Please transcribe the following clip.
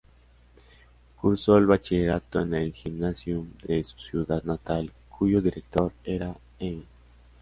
Cursó el bachillerato en el "Gymnasium" de su ciudad natal, cuyo director era Hegel.